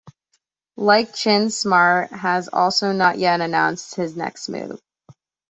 Like Chin, Smart has also not yet announced his next move.